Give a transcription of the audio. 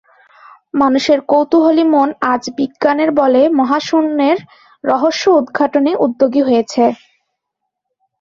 মানুষের কৌতুহলী মন আজ বিজ্ঞানের বলে মহাশুন্যের রহস্য উদঘাটনে উদ্যোগী হয়েছে।